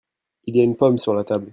Il y a une pomme sur la table.